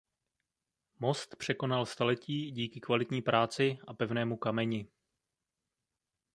Most překonal staletí díky kvalitní práci a pevnému kameni.